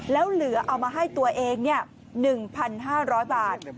แล้วเหลือเอามาให้ตัวเอง๑๕๐๐บาท